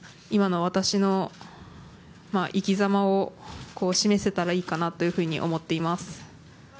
今の私の生きざまを示せたらいいかなというふうに思っています。